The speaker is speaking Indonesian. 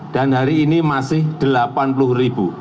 dan hari ini masih delapan puluh ribu